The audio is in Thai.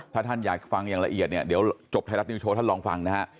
ถ้าท่านอยากฟังอย่างละเอียดเนี่ยเดี๋ยวจบไทยรัฐนิวโชว์ท่านลองฟังนะฮะ